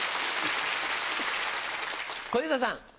小遊三さん。